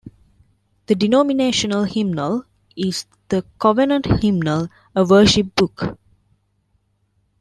The denominational hymnal is "The Covenant Hymnal: A Worship Book".